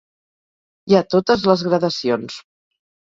Hi ha totes les gradacions.